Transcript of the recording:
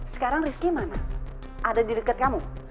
sekarang rizky mana ada di dekat kamu